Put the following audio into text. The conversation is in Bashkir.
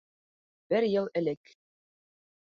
Бер йыл элек